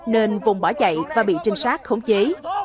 nên vùng bỏ chạy và bị trinh sát khống chế